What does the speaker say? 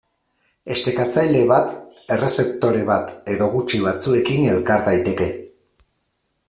Estekatzaile bat errezeptore bat edo gutxi batzuekin elkar daiteke.